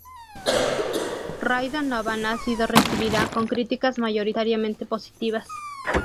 Ray Donovan ha sido recibida con críticas mayoritariamente positivas.